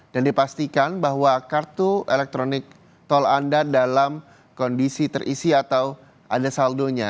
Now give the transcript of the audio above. dan dipastikan bahwa kartu elektronik tol anda dalam kondisi terisi atau ada saldonya